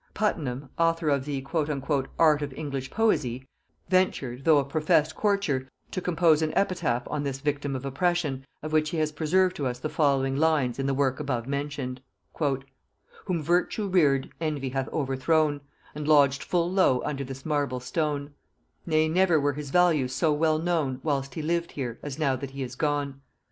Puttenham, author of the "Art of English Poesie," ventured, though a professed courtier, to compose an epitaph on this victim of oppression, of which he has preserved to us the following lines in the work above mentioned: "Whom Virtue reared Envy hath overthrown, And lodged full low under this marble stone: Ne never were his values so well known Whilst he lived here, as now that he is gone.